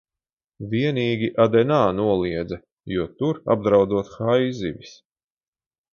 Vienīgi Adenā noliedza, jo tur apdraudot haizivis.